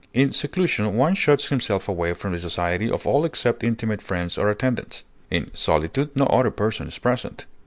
In seclusion one shuts himself away from the society of all except intimate friends or attendants; in solitude no other person is present.